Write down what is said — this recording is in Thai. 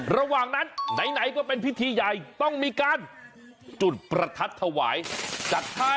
ระหว่างนั้นไหนก็เป็นพิธีใหญ่ต้องมีการจุดประทัดถวายจัดให้